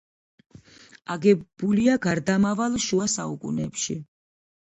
აგებულია გარდამავალი შუა საუკუნეებში.